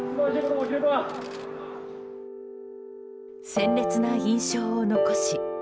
鮮烈な印象を残し。